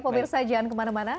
pobir sajian kemana mana